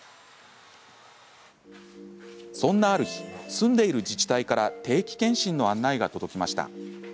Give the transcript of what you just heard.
そんな、ある日住んでいる自治体から定期健診の案内が届きました。